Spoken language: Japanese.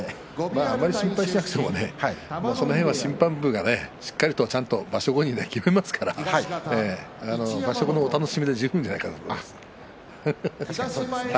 あんまり心配しなくてもそこは審判部が場所後に決めますから場所後のお楽しみで十分じゃないかと思います。